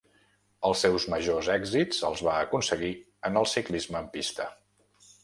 Els seus majors èxits els va aconseguir en el ciclisme en pista.